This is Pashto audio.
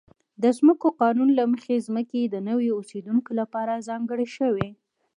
د ځمکو قانون له مخې ځمکې د نویو اوسېدونکو لپاره ځانګړې شوې.